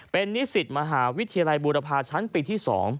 เป็นนิสิตมหาวิทยาลัยบูรพาชั้นปีที่๒